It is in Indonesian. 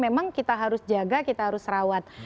memang kita harus jaga kita harus rawat